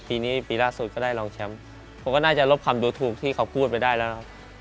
ปีนี้ปีล่าสุดก็ได้รองแชมป์ผมก็น่าจะลบคำดูถูกที่เขาพูดไปได้แล้วนะครับ